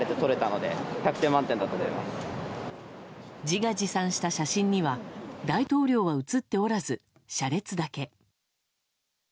自画自賛した写真には大統領は写っておらず車列だけ。